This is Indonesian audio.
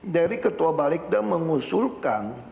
dari ketua balegda mengusulkan